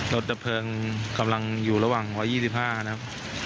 รถดะเทิงกำลังอยู่ระหว่างวันยี่สิบห้านะครับ